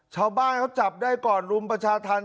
ชาวบ้านเขาจับได้ก่อนรุมประชาธรรม